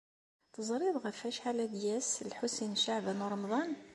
Teẓrid ɣef wacḥal ara d-yas Lḥusin n Caɛban u Ṛemḍan?